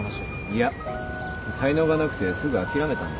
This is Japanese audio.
いや才能がなくてすぐ諦めたんだ。